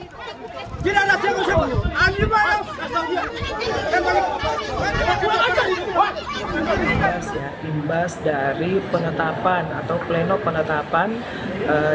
inas imbas dari penetapan atau pleno penetapan